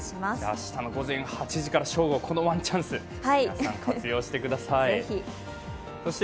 明日の午前８時から正午、このワンチャンス、皆さん、活用してください。